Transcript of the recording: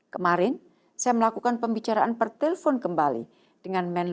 kemarin saya melakukan pembicaraan pertelepon kembali dengan menlo mesir